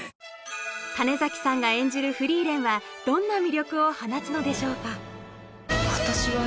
種さんが演じるフリーレンはどんな魅力を放つのでしょうか